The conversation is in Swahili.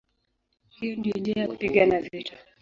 Hiyo ndiyo njia ya kupigana vita".